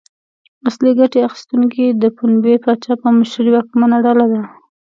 اصلي ګټه اخیستونکي د پنبې پاچا په مشرۍ واکمنه ډله ده.